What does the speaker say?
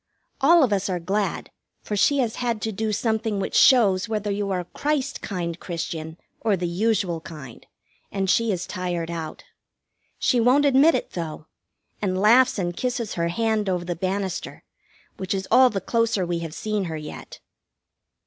All of us are glad, for she has had to do something which shows whether you are a Christ kind Christian or the usual kind, and she is tired out. She won't admit it, though, and laughs and kisses her hand over the banister, which is all the closer we have seen her yet.